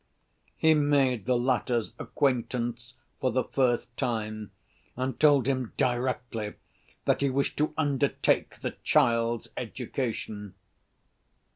He made the latter's acquaintance for the first time, and told him directly that he wished to undertake the child's education.